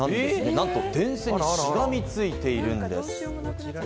なんと電線にしがみついているんです。